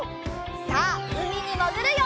さあうみにもぐるよ！